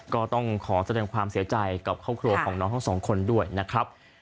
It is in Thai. ก็ต้องขอแสดงความเสียใจกับครอบครัวของน้องทั้งสองคนด้วยนะครับ